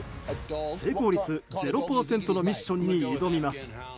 成功率０％のミッションに挑みます。